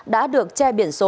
đã được che biển số